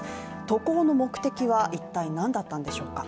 渡航の目的は一体何だったんでしょうか？